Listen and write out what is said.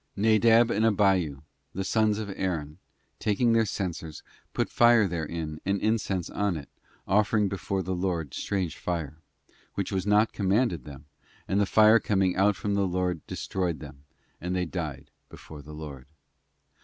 'Nadab and Abiu, the sons of Aaron, taking their censers, put fire therein, and incense on it, offering before the Lord strange fire: which was not commanded them, and fire coming out from the Lord destroyed them, and they died before the Lord.